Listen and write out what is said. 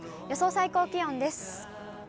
予想最高気温です。